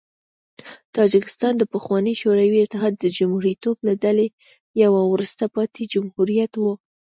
تاجکستان د پخواني شوروي اتحاد د جمهوریتونو له ډلې یو وروسته پاتې جمهوریت و.